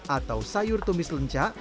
atau sayur tumis lenca